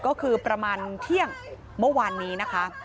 ก็คือประมาณเที่ยงเมื่อวานนี้นะคะ